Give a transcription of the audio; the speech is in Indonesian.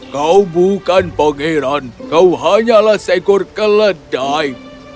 kau bukan pangeran kau hanyalah seekor keledai